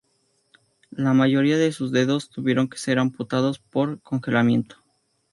La mayoría de sus dedos tuvieron que ser amputados por congelamiento.